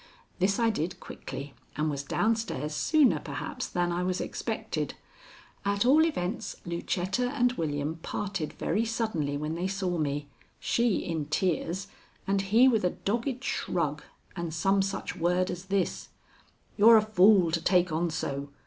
This I did quickly, and was down stairs sooner perhaps than I was expected. At all events Lucetta and William parted very suddenly when they saw me, she in tears and he with a dogged shrug and some such word as this: "You're a fool to take on so.